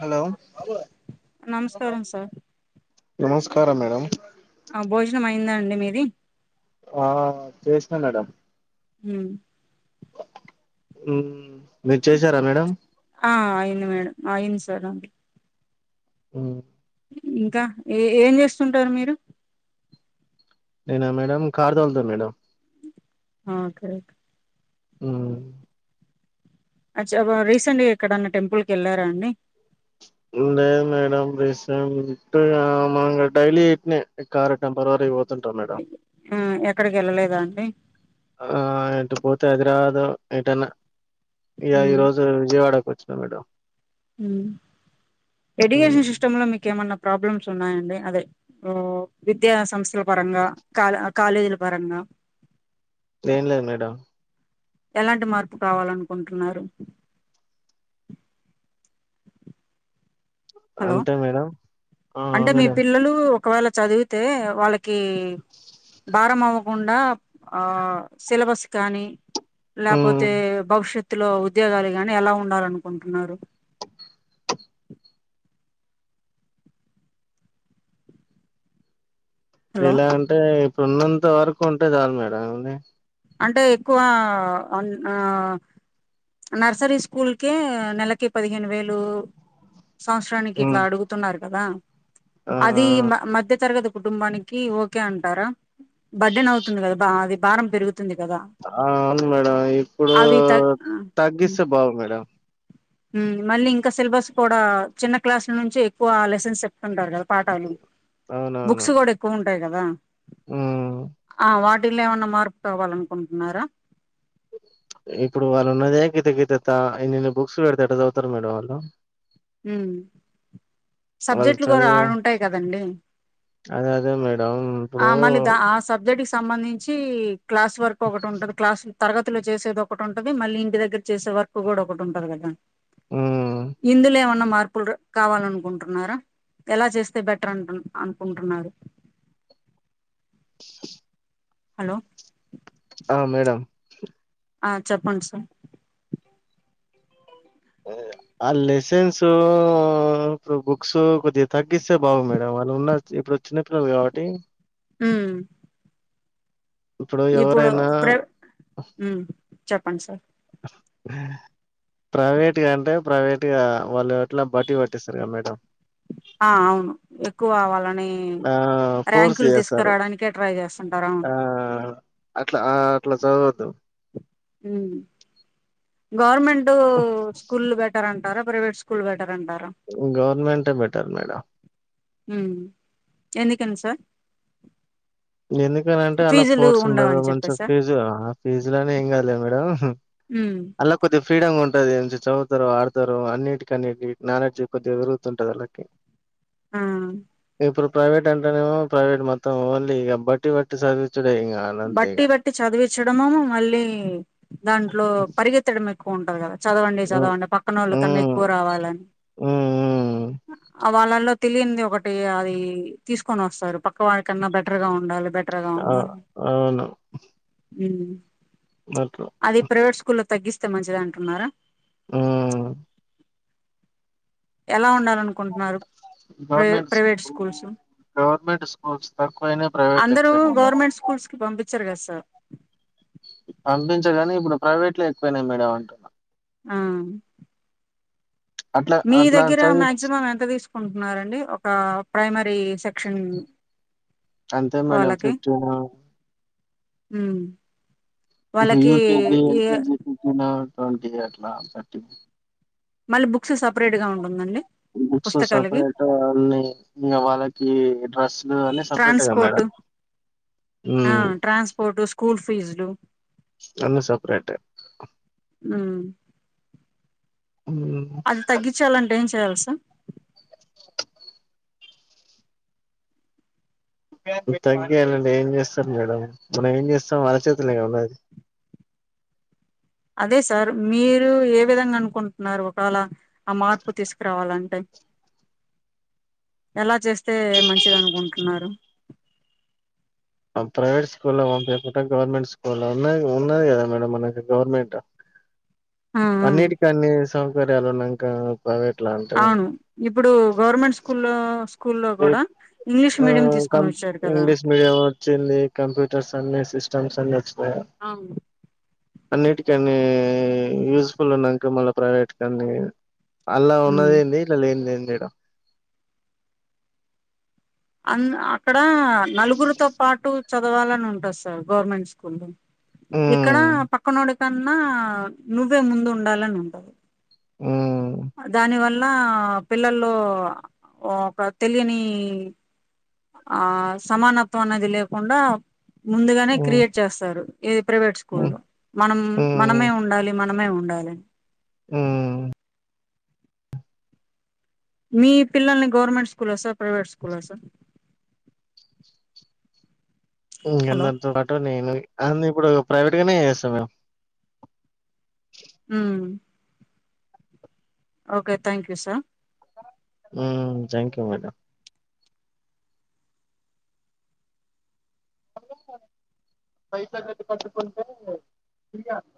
Hello అ నమస్కారం sir నమస్కారం మేడం ఆ భోజనం అయిందాండి మీది ఆ చేసినా మేడం హు ఉ ఆ అయ్యేందీ మేడం అయంది సార్ అ హ ఇంకా ఏ ఏం చేస్తుంటారు మీరు నేనా మేడం కార్ తొలుతా మేడం ఆ ఓకే ఓకే అ అ రీసెంట్గా ఎక్కడన్నా టెంపుల్ క వెళ్ళారా అండి లేదు మేడం రీసెంట్ మా డైలీ ఇట్నే కార్ టెంపరరీ పో ఆ ఎ క్కడికి వెళ్ళలేదా అండి ఆ ఏటు పోతే హైదరాబాదు ఏంటన్నా ఇగ ఈ హ్మ్. రోజు విజయవాడకు వచ్చ చ్చ మేడం మ్మ్ ఎడ్యుకేషన్ సిస్టమ్ లో మీకు ఏమన్నా ప్రాబ్లమ్స్ సున్నాయండి అదే విద్యా సంస్థ పరంగా కాల్ కాాలేజిల పాారంగా ఏం లేదు మేడం ఎలాంటి మార్పు కావాలనుకుంటున్నారు హలో అంతే మేడం ఆ అంటే మీ మేడం పిల్లలు ఒకవేళ చదివితే వాళ్ళకి కి బారం అవ్వ కుండా ఆ సిలబస్ కానీ మ్మ్ లేపోతే భవిష్యత్ తులో ఉద్యోగాలు గాని ఎలా ఉండాలనుకుంటున్నారు హలో ఎలా అంటే ఉన్న్నంత వరకు ఉంటే చాల మేడం అంటే ఎక్కువ ఆ నర్సరీ స్కూల్కే నెలకి పదిహేను వేలు సంవత్సరానికి మ్మ్ ఇట్లా అడుగుతున్నారు కదా అది ఆ మ మధ్య తరగతి కుటుంబానికి ఓకే అంటారా బర్డెన్ అవుతుంది కదా బా అది భారం పెరుగుతూ ఆ అవును మేడం ఇప్పుడు అవి త తగ్గిస్తే బాగుడు మేడం మళ్ళీ ఇంకా సిలబస్ కూడా చిన్న క్లాసుల నుంచి ఎక్కువ లెసన్స్ చెప్తుంటారు కదా పాఠాలు అవునవును బుక్స్ కూడా ఎక్కువుం టాయి కదా ఉమ్ ఆ వాట్ ఇల్ల ఏమన్నా మార్పు కావాలనుకుంటున్నారా ఇప్పుడు వాళ్ళు ఉన్నదే గిత గిత త ఇన్నిన్ని బుక్స్ పెడితే ఎట్ల చదువుతారు మేడం వాళ్ళు ఉహ్ వాళ్ళు సబ్జెక్ట్లు కూడా చదివే ఆరూ ఉంటాయి కదండి అదే అదే మేడం ఆ ఇప్పుడు మళ్ళీ ఆ ద ఆ సబ్జెక్ట్ సంబంధించి క్లాస్ వరకు ఒకటి ఉంటది క్లాస్ తరగతిలో చేసేది ఒకటి ఉంటుది మళ్ళీ ఇంటి దగ్గర చేసే వరకు కూడా ఒకటి ఉంటుది కదా ఉమ్ ఇందులే మార్పులు కావాలనుకుంటున్నారా ఎలా చేస్తే బెటర్ అంటు అ అనుకుంటున్నారు హలో ఆ మేడం ఆ చెప్పండి సార్ ఆ లెసన్స్ ఇప్పుడు బుక్స్ కొద్దిగా తగ్గిస్తే బాగు మేడం వాళ్ళు ఉన్న ఇప్పుడు చిన్నపిల్లలు కాబట్టి హు ఇప్పుడు ఎవరైనా ప్ర ఉమ్ చెప్పండి సార్ ప్రైవేట్గా అంటే ప్రైవేట్గా వాళ్ళు ఎట్లా బట్టివట్టిస్తరుగా మేడం ఆ అవును ఎక్కువవాలని ఆ ఫోర్స్ ర్యాంకులు చేస్తారు తీసుకురావడానికే ట్రై చేస్తుంటారు అవును అట్ల చదువొద్దు ఉహ్ గవర్మెంట్ స్కూల్లు బెటరాం టారా ప్రైవేట్ స్కూల్లు బెట్ గవర్నమెంటే బెటర్ మేడం ఎందుకని సార్ ఎందుకనింటే అలా ఫీజులు ఫోర్స్ ఉండదు ఉండవని మంచి చెప్పేసా ఫీజు ఆ ఫీజు లనే ఏం కాదులే మేడమ్ ఉమ్ అలా కొద్దిగా ఫ్రీడమ్ ఉంటది అని చదువుతరు ఆడతరు అన్నింటికన్నీటి నాలెడ్జ్ కొద్దిగా పెరుగుతుంట అన్నట్టు ఆ ఇప్పుడు ప్రైవేట్ అంటేనేమో ప్రైవేట్ మొత్తం ఓన్లీ ఇగ బట్టి పట్టి సదివి డే ఇగ ఆల్లంతే ఇగ చ్చడమో మళ్ళీ.. దాంట్లో పరిగెత్తడం ఉంటది కదా చదవండి హ్మ్ చదవండి పక్కనోళ్ళు కన్నా హ్మ్ ఎక్కువ రావాలని హ్మ్ వాళ్ళల్లో తెలియనిది ఒకటి అది తీసుకొని వస్తారు పక్క వాళ్ళ కన్నా బెటర్గా ఉండాలి బెటర్ గా ఆ అవును. ఉ అట్లా అది ప్రైవేట్ కులు తగ్గిస్తే మంచిది అంటున్నారా ఆ ఎలా ఉండాలన్కు టున్నారు. ప్రీ గవర్నమెంట్ స్కూ ప్రైవేట్ స్కూల్స్ గవర్నమెంట్ స్కూల్స్ తక్కువైనయి ప్రైవేట్లు అందరూ ఎక్కువైనయి మేడం గవర్నమెంట్ స్కూల్స్కి పంపి [unintelligible] పంపించగని ఇప్పుడు ప్రైవేట్లో ఎక్కువైనయి మేడం అంటున్నా. ఆ అట్లా మీ అట్లా దగ్గర చదివి మాక్సిమం ఎంత తీసుకుంటున్నారండి. కా ప్రైమరీ సెక్షన్ అంతే మేడం ఫిఫ్టీన్ హ్ [unintelligible] ట్వంటీ అట్ల తర్టీ మళ్ళీ బుక్స్ సపరేట్గా ఉంటుందండి. బుక్స్ పుస్తకాలకి సపరేట్ అన్నీ ఇంకా వాళ్ళకి డ్రస్లు అన్నీ సపరేట్యేగా ట్రాన్స్పోర్ట్ మేడం. ఆ ట్రాన్స్పోర్ట్ స్కూల్ ఫీజులు అన్నీ సపరేటే ఉమ్ మ్మ్ అది తగ్గించాలంటే ఏం తెల్సా తగ్గాలంటే ఏం చేస్తరు మేడం మనం ఏం చేస్తం వల్ల చేతుల్నేగా ఉన్నది. అదే సార్ మీరు ఏ విధంగా అనుకుంటున్నారు. ఒకవేళ ఆ మార్పు తీసుకురావాలంటే ఎలా చేస్తే మంచిది అనుకుంటున్నారు. ప్రైవేట్ స్కూల్లో పంపియకుంటె గవర్నమెంట్ స్కూల్లో ఉన్నయి ఉన్నది కదా మేడం మనకి గవర్నమెంట్ ఆ ఆ అన్నిటి కాన్ని సౌకర్యాలున్నాయి కా అవును ఇప్పుడు గవర్నమెంట్ స్కూల్లో స్కూల్లో కూడా ఇంగ్లీష్ మీడియం తీసుకొని కం వచ్చారు కదా ఇంగ్లీష్ మీడియం వచ్చింది కంప్యూటర్స్ అన్ని సిస్టమ్స్ అ అవును అన్నిటికన్ని యూస్ఫుల్ల్ ఉన్నాక మళ్ళ ప్రైవేట్ కా అన్ని అల్ల ఉమ్ ఉన్నది ఏంది ఇలా లేనిదంది లేడ అక్క ఇ నలుగురుతో పాటు చదవాలని ఉంటది సార్ గవర్నమెంట్ స్కూల్ ఎక్కడ ఉమ్ పక్కనోడు కన్నా నువ్వే ముందు ఉండాలని ఉంటది ఉమ్ లా పిల్లల్లో ఒక తెలియని ఆ సమానత్వం అనేది లేకుండా ముందుగానే ఉమ్ క్రియేట్ చేస్తారు ఏది ప్రైవేట్ స్కూల్ ఉమ్ లో మనం మనమే ఉండాలి మన మనమే ఉండాలి ఆ మీ పిల్లల్ని గవర్నమెంట్ స్కూల్ ఆ సార్ ప్రైవేట్ స్కూల్ ఆ సార్ ఇ హలో అందరితో పాటు నేను అ ఇప్పుడు ప్రైవేట్ గానే చేస్తాం మేము ఆ okay thank you sir thank you madam పైసా కట్ కట్టుకుంట ఫీ